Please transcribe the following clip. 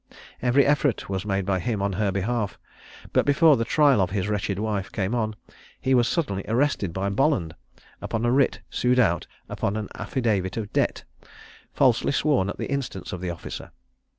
Every effort was made by him on her behalf; but before the trial of his wretched wife came on, he was suddenly arrested by Bolland, upon a writ sued out upon an affidavit of debt, falsely sworn at the instance of the officer.